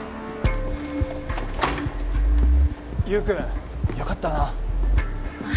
優君よかったなあ